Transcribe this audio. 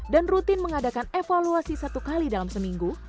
dan rutin mengadakan evaluasi satu kali dalam seminggu